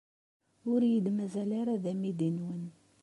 Ur iyi-d-mazal ara d amidi-nwen.